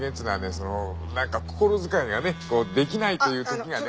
そのなんか心遣いがねこうできないというときがね。